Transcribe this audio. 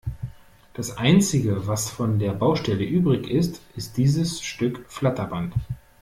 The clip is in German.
Das einzige, was von der Baustelle übrig ist, ist dieses Stück Flatterband.